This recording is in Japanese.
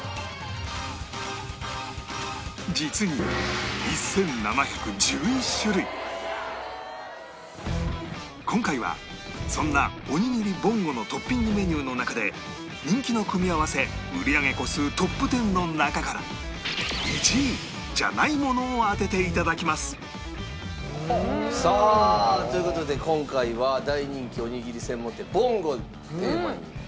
実に今回はそんなおにぎりぼんごのトッピングメニューの中で人気の組み合わせ売り上げ個数トップ１０の中から１位じゃないものを当てて頂きますさあという事で今回はないですか。